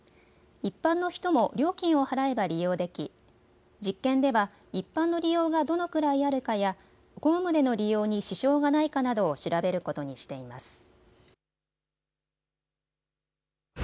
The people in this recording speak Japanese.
一般の人も料金を払えば利用でき実験では一般の利用がどのくらいあるかや公務での利用に支障がないかなどを調べることにしています。